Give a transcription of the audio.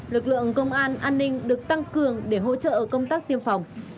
lực lượng công an an ninh được tăng cường để hỗ trợ công tác tiêm phòng